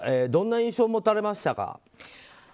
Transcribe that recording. どんな印象を持たれましたか。